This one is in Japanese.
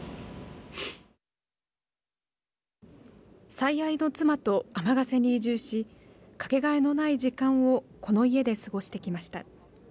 最愛の妻と天ヶ瀬に移住しかけがえのない時間をこの家で過ごしてきました。